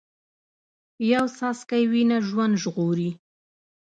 یو څاڅکی وینه ژوند ژغوري